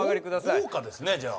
豪華ですねじゃあ。